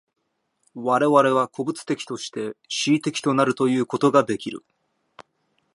我々は個物的として思惟的となるということができる。